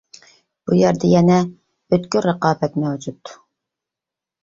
بۇ يەردە يەنە ئۆتكۈر رىقابەت مەۋجۇت.